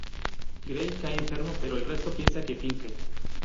Gray cae enfermo, pero el resto piensa que finge.